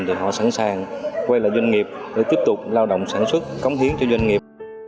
thì họ sẵn sàng quay lại doanh nghiệp để tiếp tục lao động sản xuất cống hiến cho doanh nghiệp